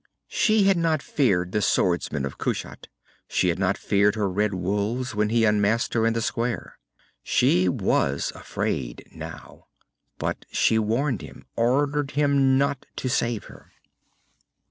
_ She had not feared the swordsmen of Kushat. She had not feared her red wolves, when he unmasked her in the square. She was afraid now. But she warned him, ordered him not to save her.